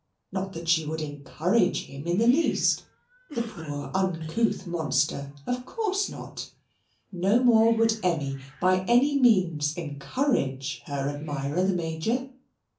Not that she would encourage him in the least the poor uncouth monster of course not. No more would Emmy by any means encourage her admirer, the Major.